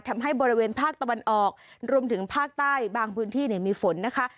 ทำให้บริเวณภาคตะวันออกรวมถึงภาคใต้บางพื้นที่เนี่ยมีฝนนะคะ